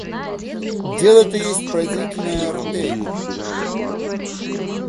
Дело это есть производительная артель....